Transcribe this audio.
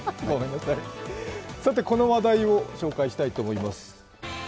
さて、この話題を紹介したいと思います。